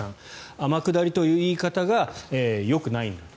天下りという言い方がよくないんだと。